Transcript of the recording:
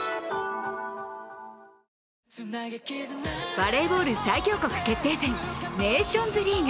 バレーボール最強国決定戦ネーションズリーグ。